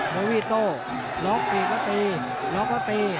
โบวีโตล็อคอีกแล้วตีตี